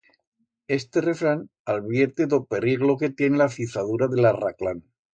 Este refrán alvierte d'o periglo que tiene la fizadura de l'arraclán.